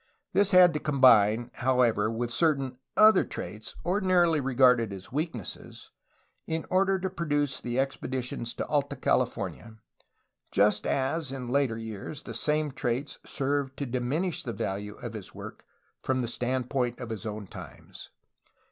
This had to combine, however, with certain other traits, ordinarily regarded as weaknesses, in order to produce the expeditions to Alta California, just as in later years the same traits served to diminish the value of his work from the stand point of his own times.